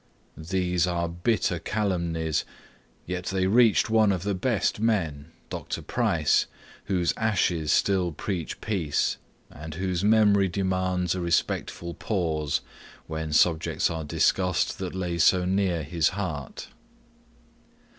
These are bitter calumnies, yet they reached one of the best of men, (Dr. Price.) whose ashes still preach peace, and whose memory demands a respectful pause, when subjects are discussed that lay so near his heart.